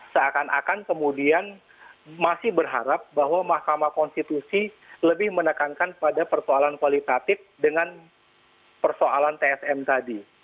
seakan akan kemudian masih berharap bahwa mahkamah konstitusi lebih menekankan pada persoalan kualitatif dengan persoalan tsm tadi